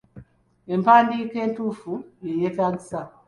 Empandiika entuufu ye yeetagisa.